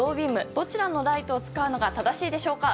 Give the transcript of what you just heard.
どちらのライトを使うのが正しいでしょうか。